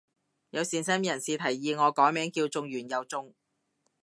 有善心人士提議我改名叫中完又中